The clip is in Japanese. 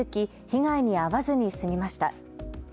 被害に遭わずに済みました。